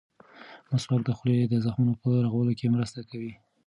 مسواک د خولې د زخمونو په رغولو کې مرسته کوي.